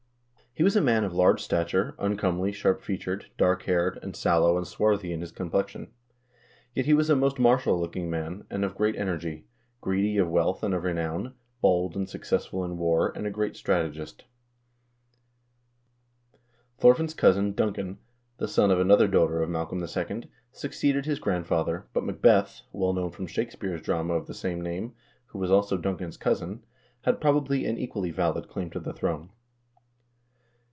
2 "He was a man of large stature, uncomely, sharp featured, dark haired, and sallow and swarthy in his complexion. Yet he was a most martial looking man, and of great energy; greedy of wealth and of renown; bold and successful in war, and a great strategist." Thorfinn's cousin,3 Duncan, the son of another daughter of Mal colm II., succeeded his grandfather, but Macbeth, well known from Shakespeare's drama of the same name, who was also Duncan's cousin, had, probably, an equally valid claim to the throne.